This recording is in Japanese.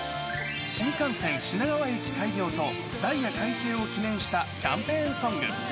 新幹線品川駅開業とダイヤ改正を記念したキャンペーンソング。